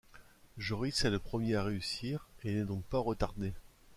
Joris est le premier à réussir et n'est donc pas retardé.